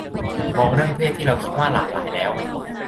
มองเรื่องเพศที่เราคิดว่าหลากหลายแล้ว